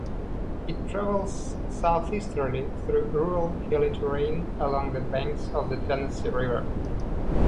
It travels southeasterly through rural hilly terrain along the banks of the Tennessee River.